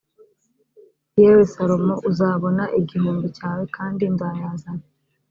yewe salomo uzabona igihumbi cyawe kandi nzayazana